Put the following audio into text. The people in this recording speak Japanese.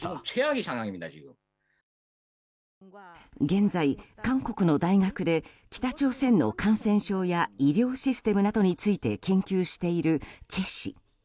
現在、韓国の大学で北朝鮮の感染症や医療システムなどについて研究しているチェ氏。